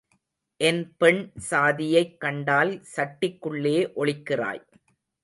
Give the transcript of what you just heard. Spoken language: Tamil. என் பெண் சாதியைக் கண்டால் சட்டிக்குள்ளே ஒளிக்கிறாய்.